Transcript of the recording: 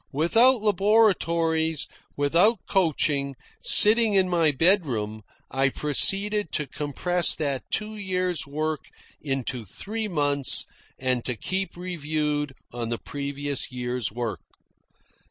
Without laboratories, without coaching, sitting in my bedroom, I proceeded to compress that two years' work into three months and to keep reviewed on the previous year's work.